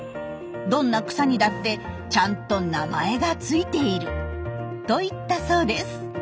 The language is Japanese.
どんな草にだってちゃんと名前が付いている」と言ったそうです。